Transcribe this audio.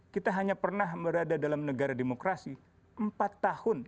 kita hanya pernah berada dalam negara demokrasi empat tahun